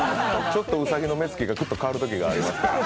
ちょっとうさぎの目つきがグッと変わるときがありますから。